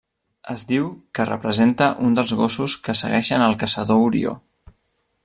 Es diu que representa un dels gossos que segueixen al caçador Orió.